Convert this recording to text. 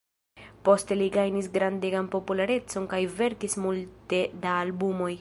Poste li gajnis grandegan popularecon kaj verkis multe da albumoj.